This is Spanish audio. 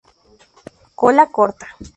Cola corta.